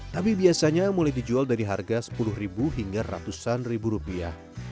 tapi biasanya mulai dijual dari harga sepuluh ribu hingga ratusan ribu rupiah